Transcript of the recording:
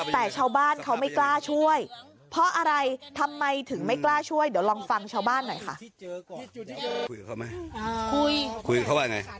แต่ชาวบ้านเขาไม่กล้าช่วยเพราะอะไรทำไมถึงไม่กล้าช่วยเดี๋ยวลองฟังชาวบ้านหน่อยค่ะ